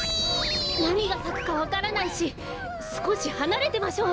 なにがさくかわからないしすこしはなれてましょう！